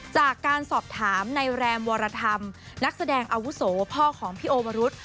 จากการสอบถามในแรมวรธรรมนักแสดงอาวุโสพ่อของพี่โอวรุษ